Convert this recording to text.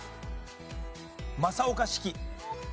正岡子規。